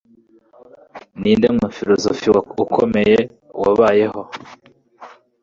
Ninde mufilozofe ukomeye wabayeho?